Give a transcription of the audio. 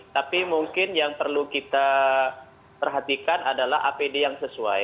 tapi mungkin yang perlu kita perhatikan adalah apd yang sesuai